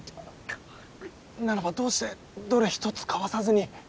ならばどうしてどれ一つかわさずに。